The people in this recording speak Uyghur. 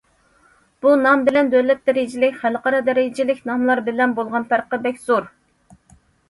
بۇ نام بىلەن دۆلەت دەرىجىلىك، خەلقئارا دەرىجىلىك ناملار بىلەن بولغان پەرقى بەك زور.